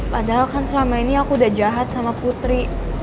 padahal kan selama ini aku udah jahat sama putri